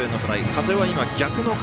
風は今、逆の風。